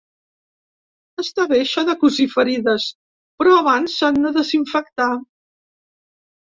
Està bé això de cosir ferides, però abans s’han de desinfectar.